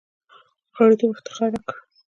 غړیتوب افتخار راکړ.